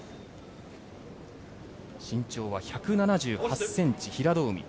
身長は１７８ｃｍ、平戸海。